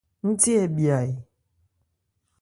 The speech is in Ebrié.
Ńthé hɛ bhya ɛ ?